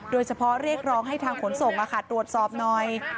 โดยเฉพาะเรียกร้องให้ทางขนส่งตรวจสอบหน่อย